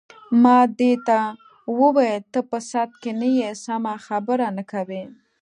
ما دې ته وویل: ته په سد کې نه یې، سمه خبره نه کوې.